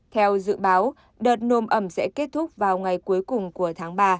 theo dự báo đợt nồm ẩm sẽ kết thúc vào ngày cuối cùng của tháng ba